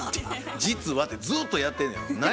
「実は」てずっとやってんねん。